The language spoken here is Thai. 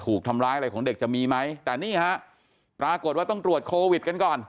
ถูกทำร้ายอะไรของเด็กจะมีไหมแต่นี่ฮะปรากฏว่าต้องตรวจโควิดกันก่อน